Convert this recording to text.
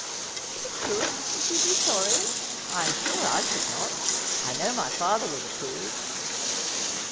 ' If it should, would you be sorry ? I am sure I should not. I know my father would approve.'